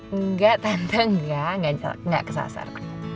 enggak tante enggak enggak kesasar